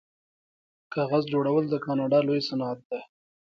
کاغذ جوړول د کاناډا لوی صنعت دی.